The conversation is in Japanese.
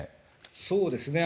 そうですね。